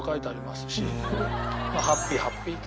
ハッピーハッピーって。